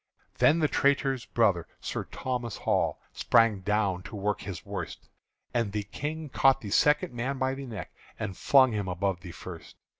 Then the traitor's brother, Sir Thomas Hall, Sprang down to work his worst; And the King caught the second man by the neck And flung him above the first.